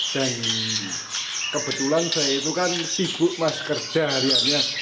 dan kebetulan saya itu kan sibuk mas kerja hariannya